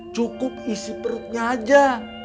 cukup isi perutnya aja